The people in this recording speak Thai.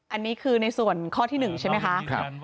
อันนี้คือในส่วนข้อที่หนึ่งใช่ไหมครับ